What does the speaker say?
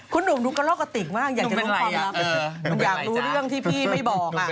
คุณหนุ่มดูกล้อกกะติกมากอยากถามอยากรู้เรื่องที่พี่ไม่บอก